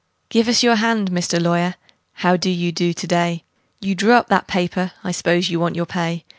"GIVE US YOUR HAND, MR. LAWYER: HOW DO YOU DO TO DAY?" You drew up that paper I s'pose you want your pay.